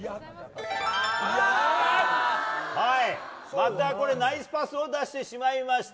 またナイスパスを出してしまいました。